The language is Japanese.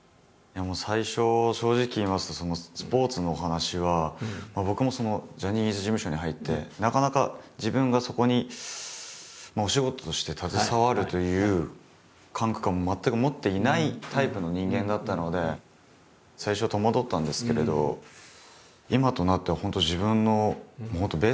最初正直言いますとスポーツのお話は僕もジャニーズ事務所に入ってなかなか自分がそこにお仕事として携わるという感覚は全く持っていないタイプの人間だったので最初は戸惑ったんですけれど今となっては本当そういう時間なので。